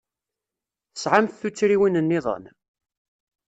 Tesɛamt tuttriwin-nniḍen?